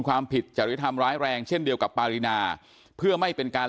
ความผิดจริธรรมร้ายแรงเช่นเดียวกับปารินาเพื่อไม่เป็นการ